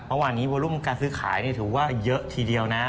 เมื่อวานนี้วอลุ่มการซื้อขายถือว่าเยอะทีเดียวนะ